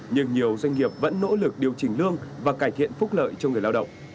nhưng nhiều doanh nghiệp vẫn nỗ lực điều chỉnh lương và cải thiện phúc lợi cho người lao động